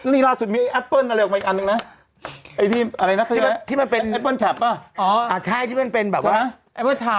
นี่ล่าสุดมีแอปเปิ้ลอะไรออกมาอีกอันนึงนะ